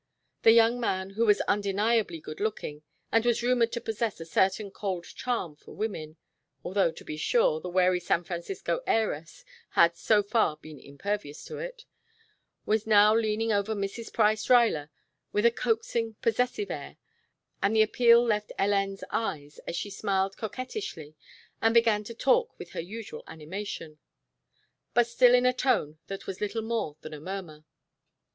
The young man, who was undeniably good looking and was rumored to possess a certain cold charm for women although, to be sure, the wary San Francisco heiress had so far been impervious to it was now leaning over Mrs. Price Ruyler with a coaxing possessive air, and the appeal left Hélène's eyes as she smiled coquettishly and began to talk with her usual animation; but still in a tone that was little more than a murmur.